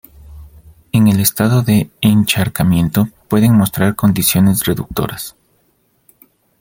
En el estado de encharcamiento pueden mostrar condiciones reductoras.